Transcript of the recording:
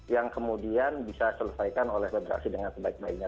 yang kemudian bisa selesaikan oleh federasi dengan sebaik baiknya